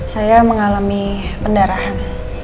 saya mengalami pendarahan